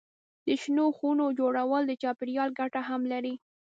د شنو خونو جوړول د چاپېریال ګټه هم لري.